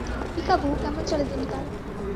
পিকা-বু, কেমন চলে দিনকাল?